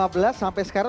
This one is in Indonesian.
waktunya kami berani